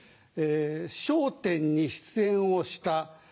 「『笑点』に出演をした。